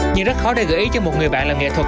nhưng rất khó để gợi ý cho một người bạn là nghệ thuật